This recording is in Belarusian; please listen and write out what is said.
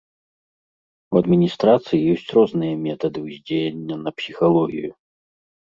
У адміністрацыі ёсць розныя метады ўздзеяння на псіхалогію.